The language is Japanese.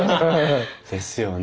ですよね。